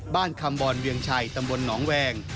คำบรเวียงชัยตำบลหนองแวง